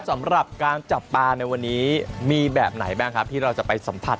สำหรับการจับปลาในวันนี้มีแบบไหนบ้างครับที่เราจะไปสัมผัส